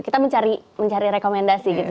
kita mencari rekomendasi gitu